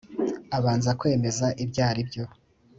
abanza kwemeza ibyo ari byo